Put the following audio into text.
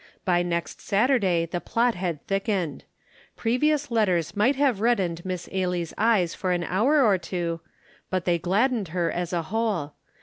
By next Saturday the plot had thickened. Previous letters might have reddened Miss Ailie's eyes for an hour or two, but they gladdened her as a whole.